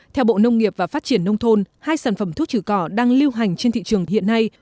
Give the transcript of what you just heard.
theo bộ nông nghiệp và phát triển nông thôn hai sản phẩm thuốc trừ cỏ đang lưu hành trên thị trường hiện nay